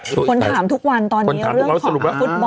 คนถามทุกวันตอนนี้เรื่องของฟุตบอลเราจะได้ดูบอลโลกกันไหมอ่ะ